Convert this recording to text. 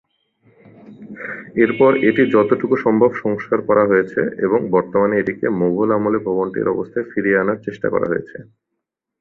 এরপর এটি যতটুকু সম্ভব সংস্কার করা হয়েছে, এবং বর্তমানে এটিকে মোঘল আমলে ভবনটির অবস্থায় ফিরিয়ে আনার চেষ্টা করা হয়েছে।